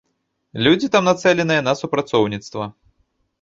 Людзі там нацэленыя на супрацоўніцтва.